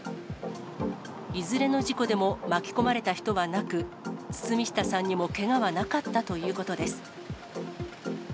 いずれの事故でも巻き込まれた人はなく、堤下さんにもけがはなかったということです。